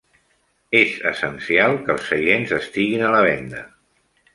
És essencial que els seients estiguin a la venda.